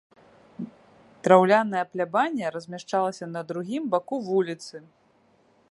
Драўляная плябанія размяшчалася на другім баку вуліцы.